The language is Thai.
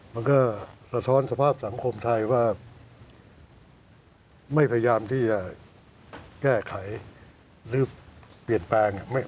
มันก็สะท้อนสภาพสังคมไทยว่าไม่พยายามที่จะแก้ไขหรือเปลี่ยนแปลง